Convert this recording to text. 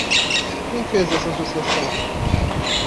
Quem fez essa associação?